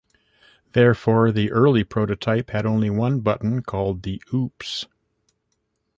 Therefore, the early prototype had only one button, called the Oops!